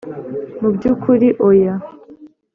mu by'ukuri oya.